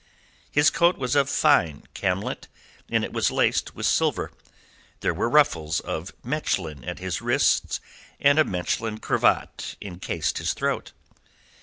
His coat was of fine camlet, and it was laced with silver; there were ruffles of Mechlin at his wrists and a Mechlin cravat encased his throat.